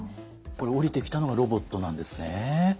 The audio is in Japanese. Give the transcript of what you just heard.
これ下りてきたのがロボットなんですね。